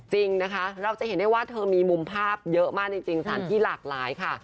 จริงนะคะเราจะเห็นได้ว่าเธอมีมุมภาพเยอะมากจริงสถานที่หลากหลายค่ะ